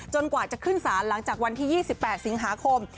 กว่าจะขึ้นศาลหลังจากวันที่๒๘สิงหาคม